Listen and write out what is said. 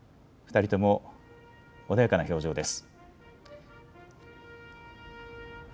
２人とも穏やかな表情です。